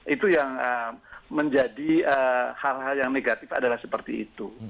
itu yang menjadi hal hal yang negatif adalah seperti itu